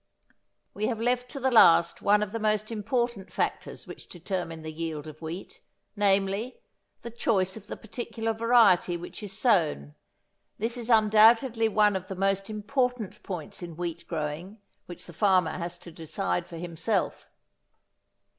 We have left to the last one of the most important factors which determine the yield of wheat, namely, the choice of the particular variety which is sown. This is undoubtedly one of the most important points in wheat growing which the farmer has to decide for himself.